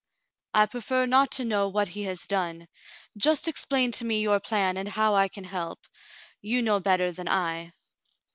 "I prefer not to know what he has done. Just explain to me your plan, and how I can help. You know better than I."